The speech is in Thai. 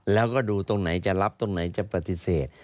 แล้วก็ดูตรงไหนจะรับตรงไหนจะปฏิเสธ